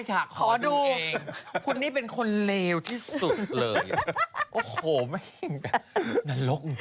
วันที่สุดท้าย